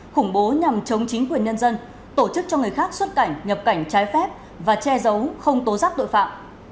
khủng bố nhằm chống chính quyền nhân dân tổ chức cho người khác xuất cảnh nhập cảnh trái phép và che giấu không tố giác tội phạm